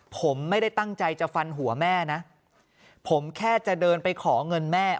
ผมไม่ได้ตั้งใจจะฟันหัวแม่นะผมแค่จะเดินไปขอเงินแม่